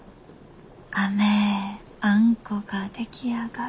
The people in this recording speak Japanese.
甘えあんこが出来上がる」。